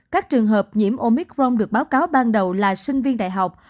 các trường hợp nhiễm omicron được báo cáo ban đầu là sinh viên đại học